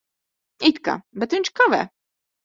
It kā. Bet viņš kavē.